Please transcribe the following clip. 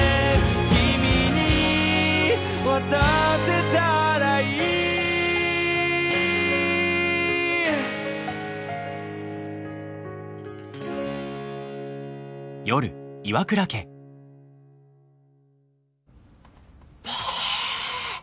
「君に渡せたらいい」ばえー！